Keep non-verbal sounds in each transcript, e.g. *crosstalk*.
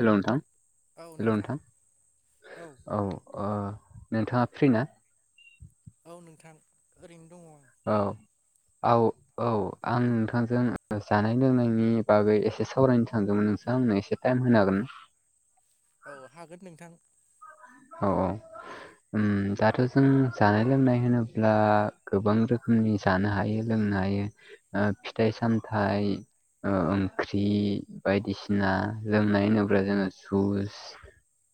हेल' नोंथां हेल' नोंथां औ अ नोंथाङा फ्रि ना? औ नोंथां ओरैनो दङ आं। औ आव औ आं नोंथांजों जानाय लोंनायनि बागै एसे सावरायनो सानदोंमोन नोंथाङा आंनो एसे टाइम होनो हागोनना? औ हागोन नोंथां। औ औ दाथ' जों जानाय लोंनाय होनोब्ला गोबां रोखोमनि जानो हायो लोंनो हायो ओ फिथाइ सामथाइ ओंख्रि बायदिसिना लोंनाय होनोब्ला जोङो जुइस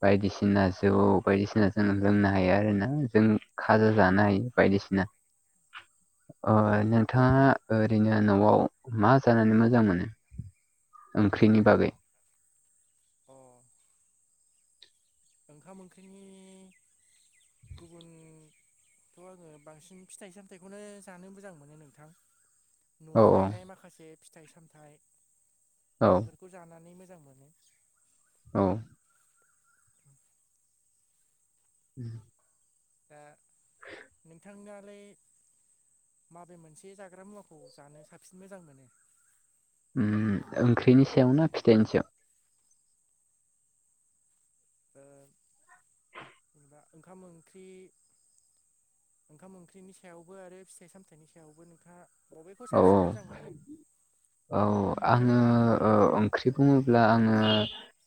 बायदिसिना जौ बायदिसिना जों लोंनो हायो आरोना जों खाजा जानो हायो बायदिसिना अ औ नोंथाङा ओरैनो न'आव मा जानानै मोजां मोनो ओंख्रिनि बागै? अ' ओंखाम ओंख्रिनि गुबुन थ' आङो बांसिन फिथाइ सामथाइखौनो जानो मोजां मोनो नोंथां। औ न'आव थानाय माखासे फिथाइ सामथाइ औ बेफोरखौ जानानै मोजां मोनो। औ *inaudible* *inaudible* दा नोंथांनालाय माबे मोनसे जाग्रा मुवाखौ जानो साबसिन मोजां मोनो? उम ओंख्रिनि सायाव ना फिथाइनि सायाव? ओ ओंखाम ओंख्रि ओंखाम ओंख्रिनि सायावबो आरो फिथाइ सामथाइनि सायावबो नोंथाङा बबेखौ औ साबसिन मोजां मोनो औ आङो फोरमायना होदो ओ नोंथाङा ओंख्रि बुङोब्ला आङो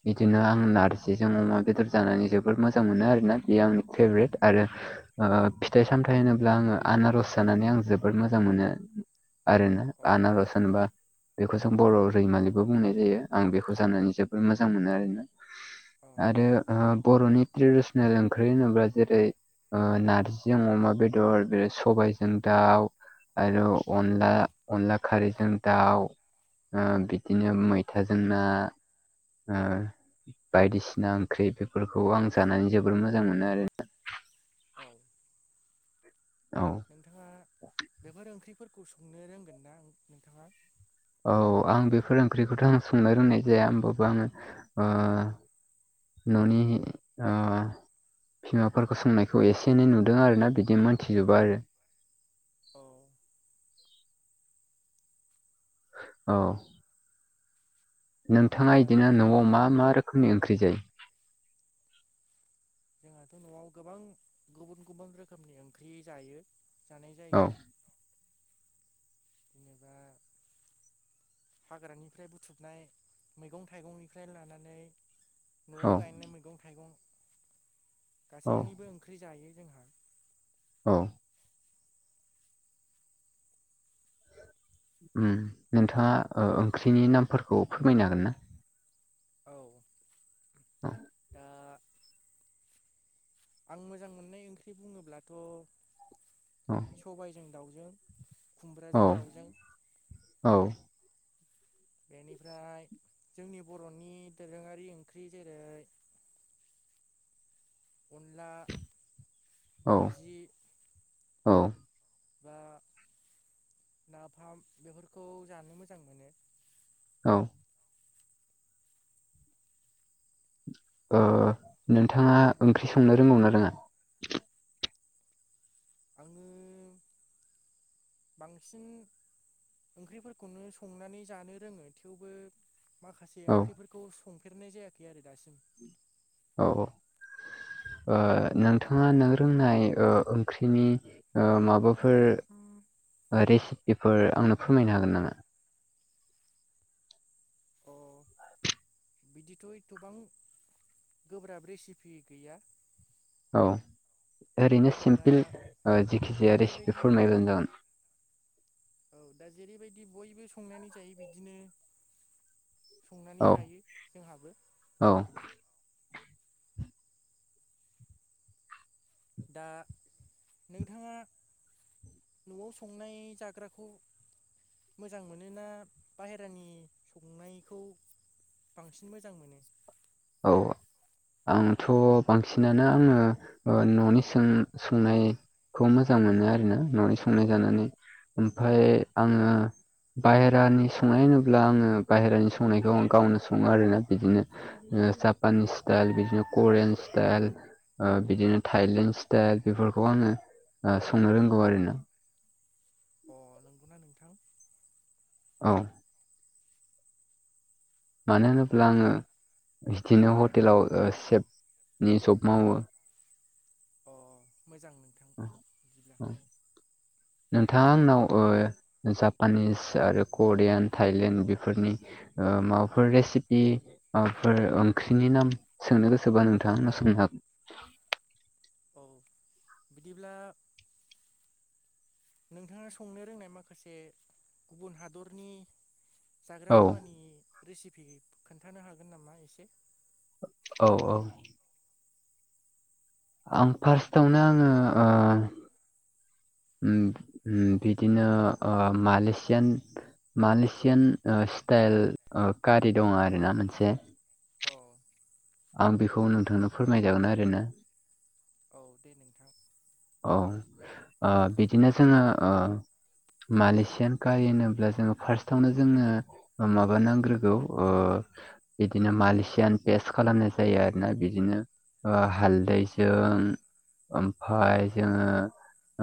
बिदिनो आं नारजिजों अमा बेदर जानानै जोबोर मोजां मोनो आरोना बेयो आंनि फेभरेट आरो ओ फिथाइ सामथाइ होनोब्ला आङो आनारस जानानै आं जोबोद मोजां मोनो। आरो ना अ आनारस होनबा बेखौ जों बर' रैमालिबो बुंनाय जायो आं बेखौ जानानै जोबद मोजां मोनो आरो ना औ आरो बर'नि ट्रेडिसनेल ओंख्रि होनोब्ला जेरै ओ नारजिजों अमा बेदर सबायजों दाउ आरो अनला अनला खारैजों दाउ ओ बिदिनो मैथाजों ना ओ बायदिसिना ओंख्रि बेफोरखौ आं जानानै जोबोर मोजां मोनो आरोना। औ औ नोंथाङा बेफोर ओंख्रिफोरखौ संनो रोंगोन ना नोंथाङा? औ आं बेफोर ओंख्रिखौथ' आं संनो रोंनाय जाया होमबाबबो आङो न'नि ओ बिमाफोरखौ सोंनायखौ एसे एनै नुदों आरोना बिदि मोनथिजोबा आरो औ औ दा नोंथाङा बिदिनो न'आव मा मा रोखोमनि ओंख्रि जायो? जोंहाथ' न'आव गोबां गुबुन गुबुन रोखोमनि ओंख्रि जायो जानाय औ जायो। जेनेबा हाग्रानिफ्राय बुथुबनाय मैगं थाइगंनिफ्राय लानानै न'आव औ गायनाय मैगं थाइगं औ गासैनिबो ओंख्रि जायो जोंहा। औ उम नोंथाङा ओ ओंख्रिनि नामफोरखौ फोरमायनो हागोन ना? औ दा आं मोजां मोननाय ओंख्रि बुङोब्लाथ' *inaudible* सबायाइजों दाउजों औ खुमब्राजों दाउजों औ बेनिफ्राय जोंनि बर'नि दोरोङारि ओंख्रि जेरै अनला औ नारजि बा नाफाम बेफोरखौ जानो मोजां मोनो औ नोंथाङा ओंख्रि संनो रोंगौ ना रोङा? आङो बांसिन ओंख्रिफोरखौनो संनानै जानो रोङो थेवबो माखासे औ ओंख्रिफोरखौ संफेरनाय जायाखै आरो दासिम। औ औ नोंथाङा नों रोंनाय ओंख्रिनि माबा माबाफोर रेसिपिफोर आंनो फोरमायनो हागोन नामा? अ बिदिथ' एथ'बां गोब्राब रेसिपि गैया औ ओरैनो दा सिम्पोल जखिजाया जेरैबायदि रेसिपिफोर नायब्लानो जागोन औ दा जेरैबायदि बयबो संनानै जायो बिदिनो संनानै औ जायो जोंहाबो औ। दा नोंथाङा न'आव संनाय जाग्राखौ मोजां मोनोना बाहेरानि संनायखौ बांसिन मोजां मोनो औ। आंथ' बांसिनानो आंङो न'नि सों संनाय खौ मोजां मोनो आरोना न'नि संनाय जानानै ओमफाय आङो बाहहेरानि संनाय होनोब्ला आंङो बाहहेरानि संनायखौ आं गावनो संङो आरोना बिदिनो जापानिस स्टाइल बिदिनो करियान स्टाइल ओ बिदिनो थायलेण्ड स्टाइल बेफोरखौ आङो ओ संनो रोंगौ आरो ना अ नंगौना नोंथां औ मानो होनोब्ला आङो बिदिनो हटेलाव सेफनि जब मावो अ मोजां नों नोंथाङा आंनाव ओ जापानिस आरो करियान थाइलेण्ड बेफोरनि ओ माबाफोर रेसिपि फोर ओंख्रिनि नाम सोंनो गोसोबा नोंथां सोंनो हागोन। औ बिदिब्ला नोंथाङा संनो रोंनाय माखासे गुबुन हादरनि जाग्रा औ मुवानि रेसिपि खोन्थानो हागोन नामा एसे? औ औ। आं फार्स्टआवनो आंङो ओ उम उम बिदिनो ओ मालेसियान मालेसियान ओ स्टाइल ओ कारि दङ' आरोना मोनसे अ आं बेखौ नोंथांनो फोरमायजागोन आरोना। औ दे नोंथां। औ ओ बिदिनो जोङो ओ मालेसियान कारि होनोब्ला जोङो फार्स्टआवनो जोङो माबा नांग्रोगौ ओ बिदिनो मालिसियान पेस्त खालामनाय जायो आरोना बिदिनो ओ हालदैजों ओमफाय जोङो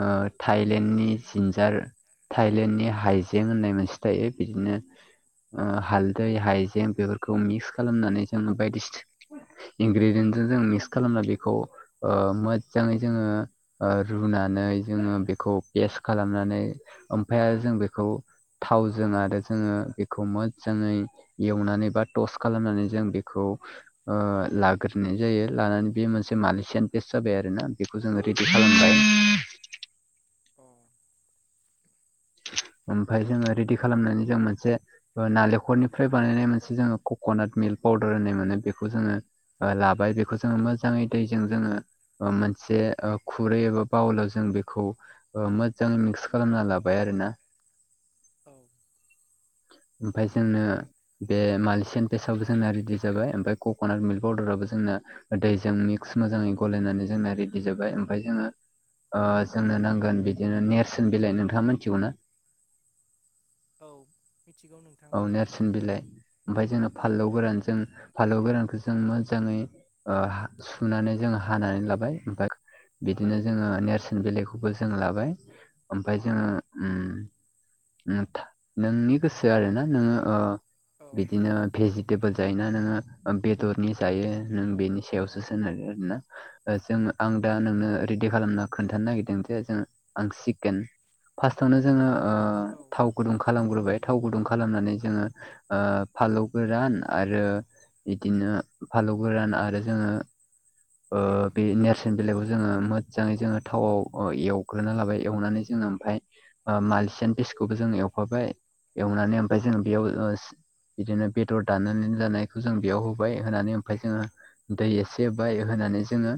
ओ थाइलेण्डनि जिन्जार थाइलेण्डनि हाइजें होननाय मोनसे थायो बिदिनो ओ हालदै हायजें बेफोरखौ मिक्स खालामनानै जोङो बायदि इंग्रिजोंसो जों मिक्स खालामना बेखौ ओ मोजाङै जोङो ओ रुनानै जोङो बेखौ पेस खालामनानै ओमफाय आरो जों बेखौ थावजों आरो जोङो बेखौ मोजाङै एवनानै बा टस खालामनानै जों बेखौ ओ लाग्रोनाय जायो लानानै बे मोनसे मालिसियान पेस्ट जाबाय आरो ना बेखौ जोङो रेदि खालामबाय। अ' ओमफाय जोङो रेडि खालामनानै जों मोनसे नालेंखरनिफ्राय बानायनाय मोनसे जोङो कक'नाट मिल्क पाउदार होननाय मोनो बेखौ जोङो ओ लाबाय बेखौ जोङो मोजाङै दैजों जोङो ओ मोनसे ओ खुरै एबा बाउलाव जों बेखौ मोजाङै मिक्स खालामना ला बाय आरोना औ ओमफाय जोंनो बे मालसियान पेस्ट आबो जोंना रेडि जाबाय ओमफाय कक'नाट मिल्क पाउदाराबो जोंना दैजों मिक्स मोजाङै गलायनानै जोंना रेडि जाबाय ओमफाय जोङो ओ जोंनो नांगोन बिदिनो नेरसोन बिलाइ नोंथाङा मिथिगौ ना। औ मिथिगौ नोंथां औ। सोन बिलाइ ओमफाय जोंङो फानलौ गोरान जों फानलौ गोरानखौ जों मोजाङै ओ सुनानै जोङो हानानै लाबाय ओमफाय बिदिनो जोङो नेरसोन बिलाइखौबो जों लाबाय ओमफाय जोङो उम नोंनि गोसो आरो ना नोंङो ओ औ बिदिनो भेजिटेबोल जायोना नोंङो बेदरनि जायो नों बेनि सायावसो सोनारो आरोना। जों आं दा नोंनो रेडि खालामना खोन्थानो नागिरदों जे जों आं चिकेन फार्स्टावनो जोङो ओ औ थाव गुदुं खालामग्रोबाय थाव गुदुं खालामनानै जोङो ओ फालौ गोरान आरो बिदिनो फालौ गोरान आरो जोङो ओ बे नेरसोन बिलाइखौ जोङो मोजाङै जोङो थावआव ओ एव *unintelligible* लाबाय एवनानै जो ओमफाय ओ मालिसियान पिसखौबो जों एवफाबाय एवनानै ओमफाय जों बेयाव बिदिनो बेदर दाननानै लानायखौ जों बेयाव होबाय होनानै ओमफाय जोंङो दै एसे होबाय होनानै जोंङो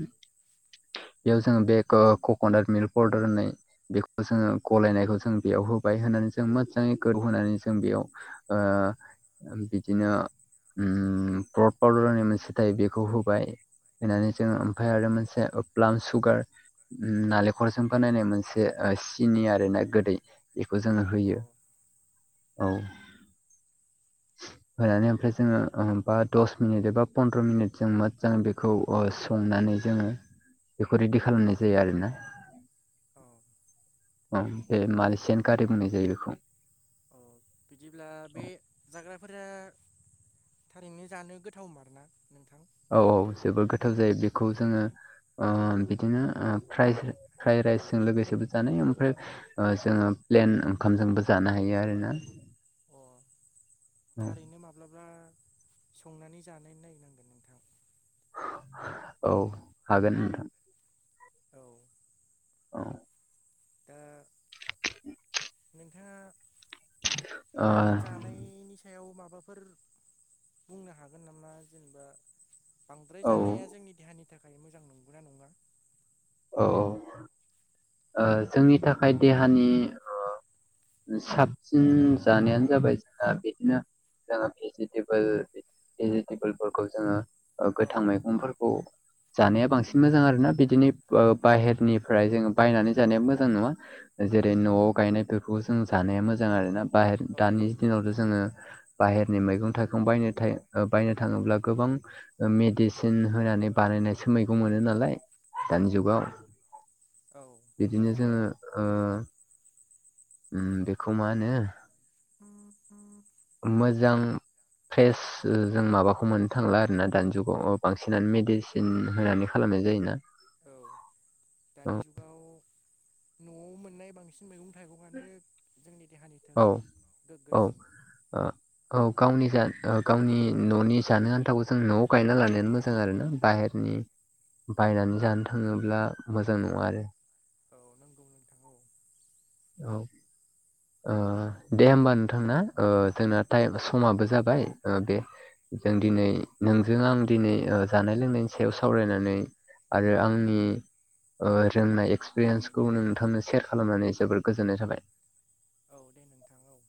बेयाव जोंङो बे ओ कक'नाट मिल्क पाउदार होननाय बेखौ जोंङो गलायनायखौ जों बेयाव होबाय होननानै जों मोजाङै गोदौहोनानै जों बेयाव ओ बिदिनो उम *unintelligible* होननाय मोनसे थायो बेखौ होबाय। होनानै जोङो ओमफाय आरो मोनसे ब्लाम सुगार नालेंखलजों बानायनाय मोनसे ओ सिनि आरोना गोदै बेखौ जोंङो होयो औ। होनानै ओमफ्राय जोंङो बा दस मिनिट एबा पन्द्र मिनिट जों मोजां बे खौ ओ संनानै जोङो बेखौ रेडि खालामनाय जायो आरोना। औ अ बे मालिसियान गारि बुंनाय जायो बेखौ। औ बिदिब्ला औ बे जाग्राफोरा थारैनो जानो गोथावमारना नोंथां? औ औ जोबोर गोथाव जायो बेखौ जोंङो ओ बिदिनो फ्राइ फ्राइ राइसजों लोगोसेबो जानाय ओमफ्राय जोंङो प्लेन ओंखामबो जानो हायो आरोना। अ। थारैनो माब्लाबा संनानै जानाय नायनांगोन नोंथां। औ हागोन नोंथां। औ। औ। दा नोंथाङा ओ जानायनि सायाव माबाफोर बुंनो हागोन नामा जेनेबा बांद्राय ओ जानाया जोंनि देहानि थाखाय मोजां नंगौना नङा? औ ओ जोंनि थाखाय देहानि ओ साबसिन जानायानो जाबाय जोंहा बिदिनो जोङो भेजिटेबोल भेजिटेबोलफोरखौ जोङो ओ औ गोथां मैगंफोरखौ जानाया बांसिन मोजां आरोना बिदिनि ओ बाहेरनिफ्राय जोङो बायनानै जानाया मोजां नङा। जेरै न'आव गायनायफोरखौ जों जानाया मोजां आरोना बाहेर औ दानि नंगौ दिनावथ' नोंथां जोङो बाहेरनि मैगं थाइगं बायनो थाय बायनो थांङोब्ला गोबां ओ मेडिसिन होनानै बानायनायसो मैगं मोनो नालाय। दानि जुगाव औ। बिदिनो जोङो ओ उम बेखौ मा होनो *inaudible* मोजां फ्रेस जों माबाखौ मोननो थांला आरोना दानि जुगाव बांसिनानो मेडिसि सिन होनानै खालामनाय जायोना। औ। औ दानि जुगाव न'आव मोननाय बांसिन मैगं थाइगङानो जोंनि देहानि औ थाखाय औ गोग्गोसिन ओ औ गावनि जा गा गावनि न'नि जानो आन्थाखौ जों न'आव गायना लानायानो मोजां आरोना बाहेर नि बायनानै जानो थाङोब्ला मोजां नङा आरो। औ नंगौ नोंथां औ। औ। ओ दे होमबा नोंथांना ओ जोंना टाइ समाबो जाबाय ओ बे जों दिनै औ नोंजों आं दिनै ओ जानाय लोंनायनि सायाव सावरायनानै आरो आंनि ओ रोंनाय औ एक्सपिरियेन्सखौ नोंथांनो सेयार खालामनानै जोबोर गोजोननाय थाबाय। औ दे नोंथां औ।